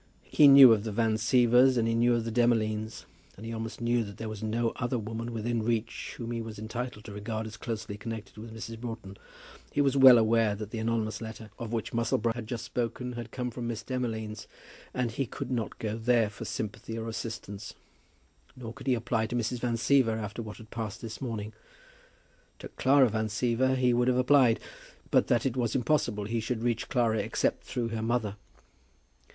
He knew of the Van Sievers, and he knew of the Demolines, and he almost knew that there was no other woman within reach whom he was entitled to regard as closely connected with Mrs. Broughton. He was well aware that the anonymous letter of which Musselboro had just spoken had come from Miss Demolines, and he could not go there for sympathy and assistance. Nor could he apply to Mrs. Van Siever after what had passed this morning. To Clara Van Siever he would have applied, but that it was impossible he should reach Clara except through her mother.